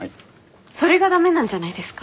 それが駄目なんじゃないですか？